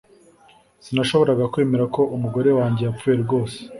Sinashoboraga kwemera ko umugore wanjye yapfuye rwose